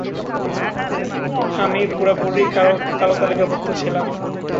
আমি পুরোপুরি কালো তালিকাভুক্ত ছিলাম।